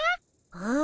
うん。